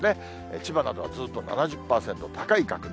千葉などはずっと７０％、高い確率。